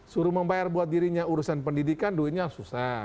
suruh membayar buat dirinya urusan pendidikan duitnya susah